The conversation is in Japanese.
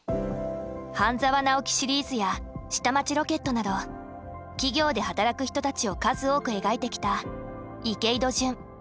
「半沢直樹」シリーズや「下町ロケット」など企業で働く人たちを数多く描いてきた池井戸潤。